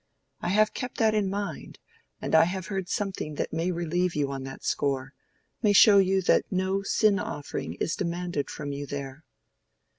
I have kept that in mind, and I have heard something that may relieve you on that score—may show you that no sin offering is demanded from you there."